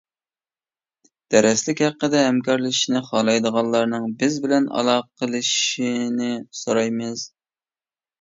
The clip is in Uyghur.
دەرسلىك ھەققىدە ھەمكارلىشىشنى خالايدىغانلارنىڭ بىز بىلەن ئالاقىلىشىشنى سورايمىز.